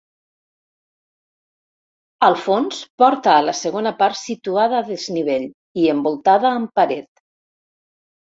Al fons, porta a la segona part situada a desnivell i envoltada amb paret.